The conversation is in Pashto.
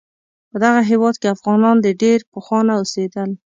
په دغه هیواد کې افغانان د ډیر پخوانه اوسیدل